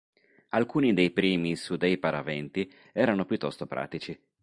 Alcuni dei primi sui dei paraventi erano piuttosto pratici.